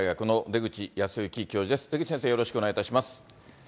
出口先生、よろしくお願いします。